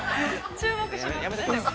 ◆注目します。